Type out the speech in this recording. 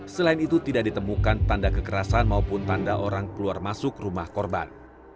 selain itu tidak ditemukan tanda kekerasan maupun tanda orang keluar masuk rumah korban